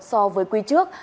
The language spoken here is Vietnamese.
so với quý trước